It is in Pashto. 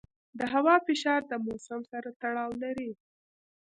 د هوا فشار د موسم سره تړاو لري.